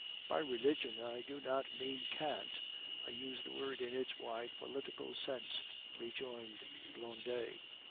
"By religion I do not mean cant; I use the word in its wide political sense," rejoined Blondet.